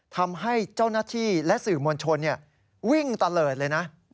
ทำให้เจ้าหน้าที่และสื่อมวลชนวิ่งตะเลิศเลยนะ